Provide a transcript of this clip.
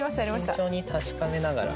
慎重に確かめながら。